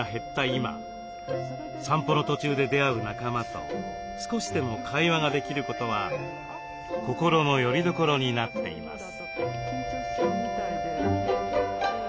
今散歩の途中で出会う仲間と少しでも会話ができることは心のよりどころになっています。